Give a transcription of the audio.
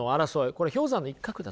これ氷山の一角だと。